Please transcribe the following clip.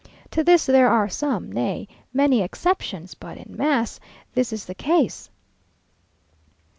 To this there are some, nay, many exceptions, but en masse this is the case....